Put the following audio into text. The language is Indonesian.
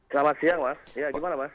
selamat siang mas